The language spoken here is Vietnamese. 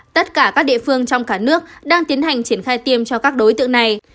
tất cả các địa phương trong cả nước đang tiến hành triển khai tiêm cho các đối tượng này